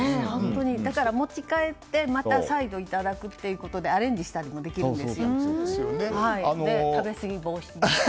だから、持ち帰って再度、いただくということでアレンジしたりもできるんです。